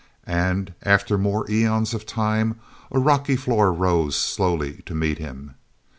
And, after more eons of time, a rocky floor rose slowly to meet him.